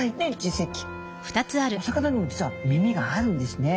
お魚にも実は耳があるんですね。